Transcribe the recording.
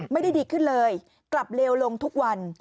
ไม่ได้ดีขึ้นเลยกลับเลวลงทุกวัน